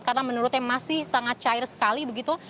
karena menurutnya masih sangat cair sekali begitu